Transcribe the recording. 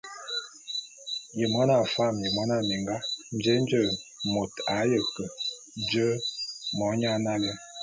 Ye mona fam ye mona minga, jé nje môt a ye ke je monyan nalé?